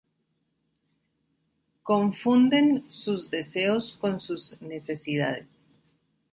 Confunden sus deseos con sus necesidades.